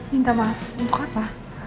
minta maaf untuk apa